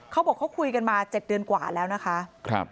เขาบอกเขาคุยกันมา๗เดือนกว่าแล้วนะคะ